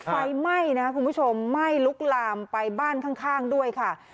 ไฟไหม้นะครับคุณผู้ชมไหม้ลุกลามไปบ้านข้างด้วยค่ะ